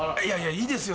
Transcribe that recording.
いいですよ